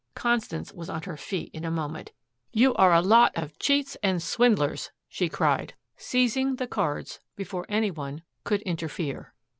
Constance was on her feet in a moment. "You are a lot of cheats and swindlers," she cried, seizing the cards before any one could interfere.